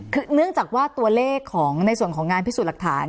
คือเนื่องจากว่าตัวเลขของในส่วนของงานพิสูจน์หลักฐาน